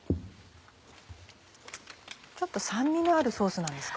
ちょっと酸味のあるソースなんですか？